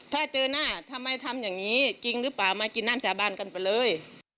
ถ้าเจอหน้าทำไมทำอย่างนี้จริงหรือเปล่ามากินน้ำสาบานกันไปเลย